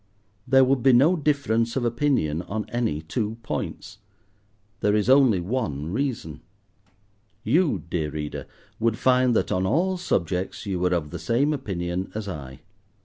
There would be no difference of opinion on any two points: there is only one reason. You, dear Reader, would find, that on all subjects you were of the same opinion as I.